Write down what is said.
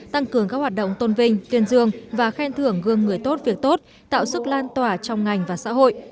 tăng cường các hoạt động tôn vinh tuyên dương và khen thưởng gương người tốt việc tốt tạo sức lan tỏa trong ngành và xã hội